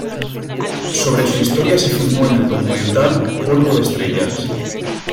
Sobre su historia se filmó el documental "Polvo de estrellas".